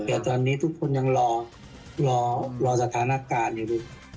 แต่ตอนนี้ทุกคนยังรอสถานการณ์อยู่ดู